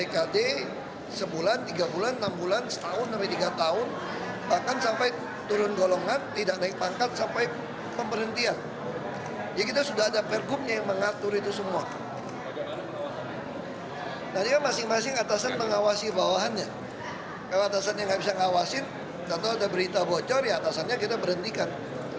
kalau ada berita bocor ya atasannya kita berhentikan